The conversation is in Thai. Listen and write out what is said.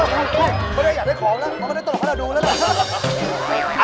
ไม่ได้อยากได้ของแล้วเพราะว่าไม่ได้ตัวเพราะเราดูแล้วนะ